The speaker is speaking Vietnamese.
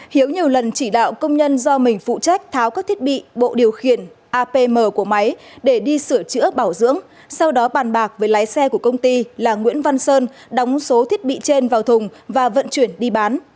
hiếu nhiều lần chỉ đạo công nhân do mình phụ trách tháo các thiết bị bộ điều khiển apm của máy để đi sửa chữa bảo dưỡng sau đó bàn bạc với lái xe của công ty là nguyễn văn sơn đóng số thiết bị trên vào thùng và vận chuyển đi bán